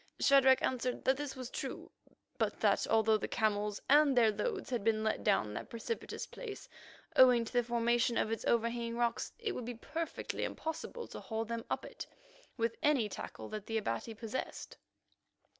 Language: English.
Shadrach answered that this was true, but that although the camels and their loads had been let down that precipitous place, owing to the formation of its overhanging rocks, it would be perfectly impossible to haul them up it with any tackle that the Abati possessed.